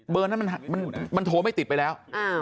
นั้นมันโทรไม่ติดไปแล้ว